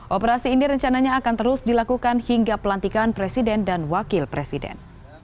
operasi ini rencananya akan terus dilakukan hingga pelantikan presiden dan wakil presiden